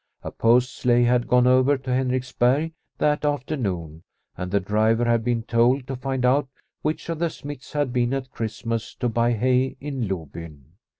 A post sleigh had gone over to Henriksberg that afternoon, and the driver had been told to find out which of the smiths had been at Christmas to buy hay in Lobyn.